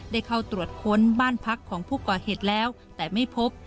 ได้เข้าตรวจค้นบ้านพักของผู้ก่อเหตุแล้วแต่ไม่พบ